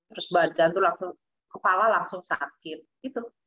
terus badan itu langsung kepala langsung sakit gitu